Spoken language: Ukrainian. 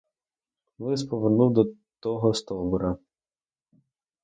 Лис повернув до того стовбура.